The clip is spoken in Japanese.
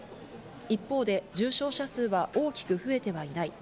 一方で重症者数は大きく増えてはいない。